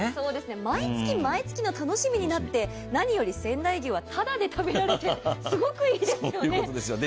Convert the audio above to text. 毎月毎月の楽しみになって、なにより仙台牛がただで食べられてすごくいいですよね。